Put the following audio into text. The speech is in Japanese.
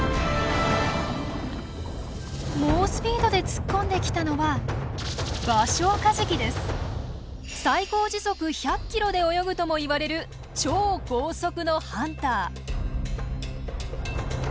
猛スピードで突っ込んできたのは最高時速１００キロで泳ぐともいわれる超高速のハンター！